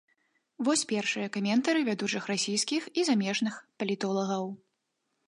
Вось першыя каментары вядучых расійскіх і замежных палітолагаў.